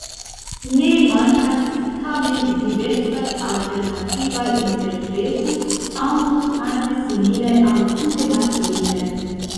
Ne mankas tamen diversaj alternativaj interpretoj, aŭ nur parte similaj aŭ tute malsimilaj.